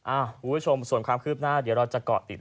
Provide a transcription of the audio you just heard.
คุณผู้ชมส่วนความคืบหน้าเดี๋ยวเราจะเกาะติด